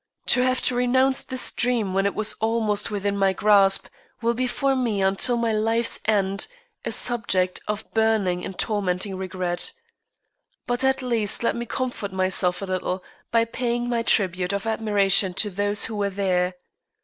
To have to renounce this dream when it was almost within my grasp will be for me unto my life's end a subject of burning and tormenting regret. But at least let me comfort myself a little by paying my tribute of admiration to those who were there.